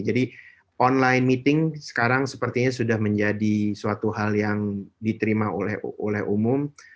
nah online meeting sepertinya sudah menjadi suatu hal yang kita temukan oleh umum